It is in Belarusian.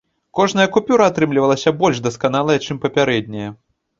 Кожная купюра атрымлівалася больш дасканалая, чым папярэдняя.